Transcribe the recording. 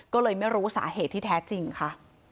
ก็เลยไม่รู้สาเหตุที่แท้จริงค่ะ